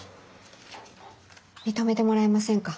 認めてもらえませんか？